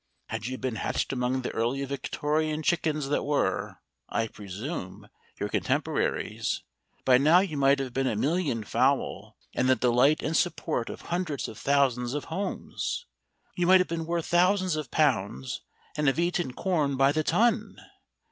Had you been hatched among the early Victorian chickens that were, I presume, your contemporaries, by now you might have been a million fowl, and the delight and support of hundreds of thousands of homes. You might have been worth thousands of pounds and have eaten corn by the ton.